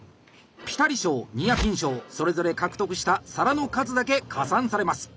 「ピタリ賞」「ニアピン賞」それぞれ獲得した皿の数だけ加算されます。